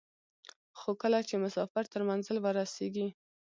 خو کله چې مسافر تر منزل ورسېږي.